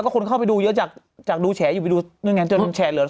แบบไม่มีเจ๋นแชร์ให้บันอยู่เป็นหมื่น